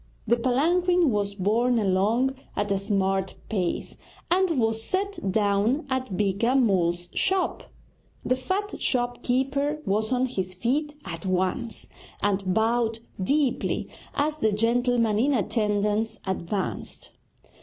The palanquin was borne along at a smart pace and was set down at Beeka Mull's shop. The fat shop keeper was on his feet at once, and bowed deeply as the gentleman in attendance advanced.